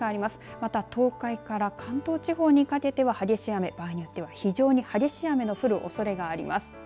また東海から関東地方にかけては激しい雨場合によっては非常に激しい雨の降るおそれがあります。